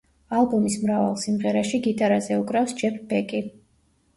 ალბომის მრავალ სიმღერაში გიტარაზე უკრავს ჯეფ ბეკი.